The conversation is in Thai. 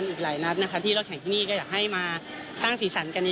ที่เราแข่งที่นี่ก็อยากให้มาสร้างสีสันกันเยอะ